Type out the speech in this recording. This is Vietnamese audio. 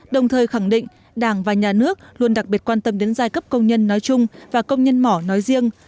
đồng thời khẳng định đảng và nhà nước luôn đặc biệt quan tâm đến giai cấp công nhân nói chung và công nhân mỏ nói riêng